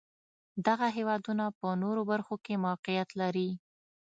دغه هېوادونه په نورو برخو کې موقعیت لري.